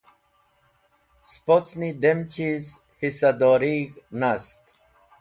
Spocni dem chiz hisadorig̃h nast.